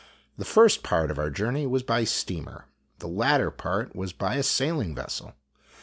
The first part of our journey was by steamer, and the latter part was by a sailing vessel.